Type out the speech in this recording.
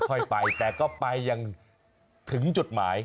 ค่อยไปแต่ก็ไปยังถึงจุดหมาย